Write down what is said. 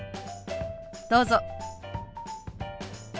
どうぞ。